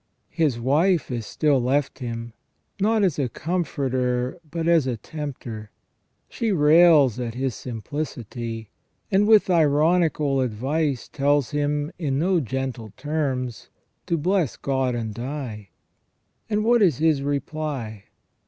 His wife is still left him, not as a comforter but as a tempter. She rails at his simplicity, and with ironical advice tells him, in no gentle terms, to " bless God and die ". And what is his reply